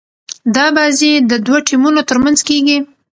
دا بازي د دوه ټيمونو تر منځ کیږي.